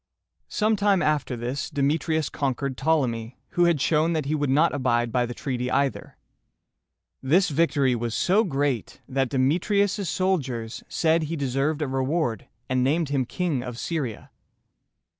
Some time after this, Demetrius conquered Ptolemy, who had shown that he would not abide by the treaty either. This victory was so great, that Demetrius' soldiers said he deserved a reward, and named him King of Syria.